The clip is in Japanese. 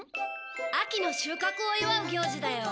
秋の収穫を祝う行事だよ。